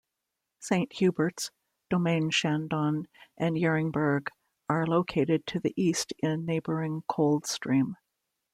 Saint Hubert's, Domaine Chandon and Yeringberg are located to the east in neighbouring Coldstream.